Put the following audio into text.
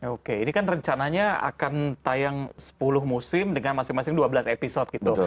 oke ini kan rencananya akan tayang sepuluh musim dengan masing masing dua belas episode gitu